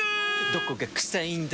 どこが臭いんだ？